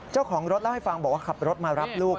เจ้าของรถเล่าให้ฟังบอกว่าขับรถมารับลูก